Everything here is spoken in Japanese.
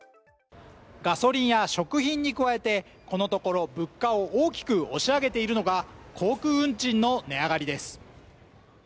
ガソリンや食品に加えて、このところ、物価を大きく押し上げているのが航空運賃の値上がりです。